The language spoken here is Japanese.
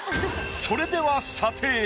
それでは査定。